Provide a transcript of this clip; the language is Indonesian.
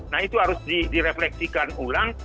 nah itu harus direfleksikan ulang